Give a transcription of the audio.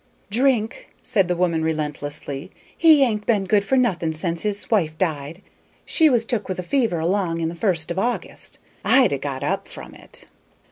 "Drink," said the woman, relentlessly. "He ain't been good for nothing sence his wife died: she was took with a fever along in the first of August. I'd ha' got up from it!"